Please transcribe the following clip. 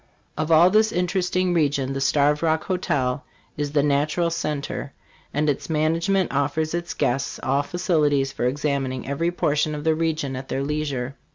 Of all this interesting region the Starved Rock Hotel is the natural cen ter ; and its management offers its guests all facilities for examining every portion of the region at their leisure.